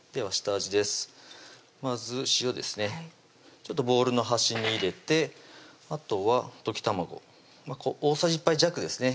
ちょっとボウルの端に入れてあとは溶き卵大さじ１杯弱ですね